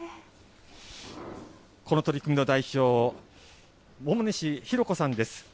この取り組みの代表、表西弘子さんです。